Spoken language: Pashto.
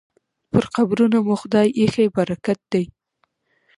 پر قبرونو مو خدای ایښی برکت دی